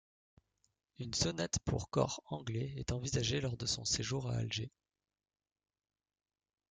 Une sonate pour cor anglais est envisagée lors de son séjour à Alger.